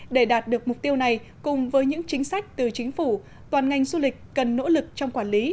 để đạt được mục tiêu này cùng với những chính sách từ chính phủ toàn ngành du lịch cần nỗ lực trong quản lý